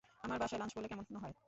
আমার বাসায় লাঞ্চ করলে কেমন হয়?